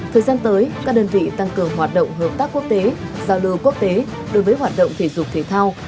thời gian tới các đơn vị tăng cường hoạt động hợp tác quốc tế giao lưu quốc tế đối với hoạt động thể dục thể thao